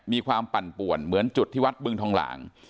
ปั่นป่วนเหมือนจุดที่วัดบึงทองหลาง